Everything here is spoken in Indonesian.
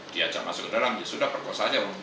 dia ajak masuk ke dalam dia sudah perkosa saja